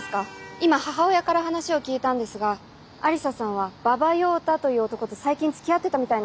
今母親から話を聞いたんですが愛理沙さんは馬場耀太という男と最近つきあってたみたいなんです。